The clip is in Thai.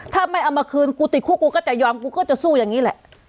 ถ้าไม่เอามาคืนกูติดคุกกูก็จะยอมกูก็จะสู้อย่างนี้แหละ